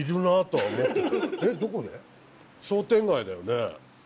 商店街だよね？